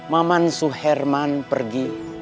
mamansu herman pergi